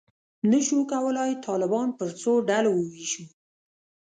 نه شو کولای طالبان پر څو ډلو وویشو.